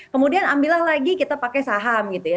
kemudian ambillah lagi kita pakai saham gitu ya